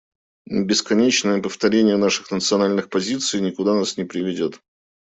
Бесконечное повторение наших национальных позиций никуда нас не приведет.